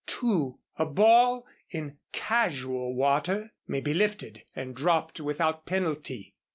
(2) A ball in "casual" water may be lifted and dropped without penalty.